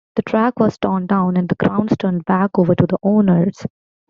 The track was torn down and the grounds turned back over to the owners.